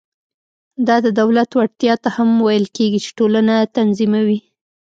دا د دولت وړتیا ته هم ویل کېږي چې ټولنه تنظیموي.